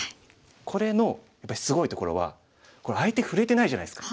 これのやっぱりすごいところはこれ相手触れてないじゃないですか。